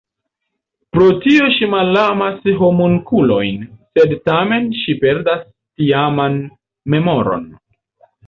Pro tio ŝi malamas homunkulojn, sed tamen ŝi perdas tiaman memoron.